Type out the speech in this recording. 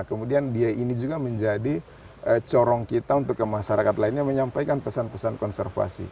kemudian dia ini juga menjadi corong kita untuk ke masyarakat lainnya menyampaikan pesan pesan konservasi